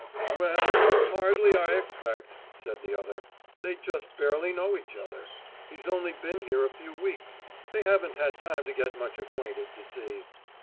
"Well, hardly I expect," said the other. "They just barely know each other: he's only been here a few weeks; they haven't had time to get much acquainted, you see."